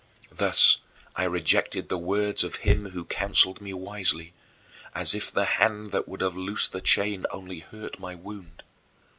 Thus I rejected the words of him who counseled me wisely, as if the hand that would have loosed the chain only hurt my wound.